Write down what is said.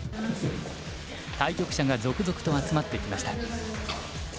対局者が続々と集まってきました。